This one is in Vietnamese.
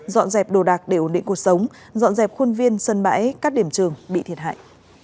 dọn dẹp đồ đạc để ổn định cuộc sống dọn dẹp khuôn viên sân bãi các điểm trường bị thiệt hại